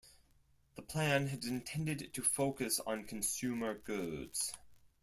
The plan had intended to focus on consumer goods.